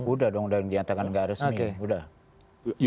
udah dong udah diatakan nggak resmi